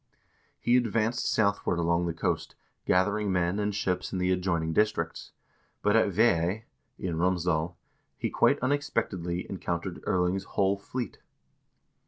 He advanced southward along the coast, gathering men and ships in the adjoining districts, but at Veey, in Romsdal, he quite unexpectedly encountered Erling's whole fleet.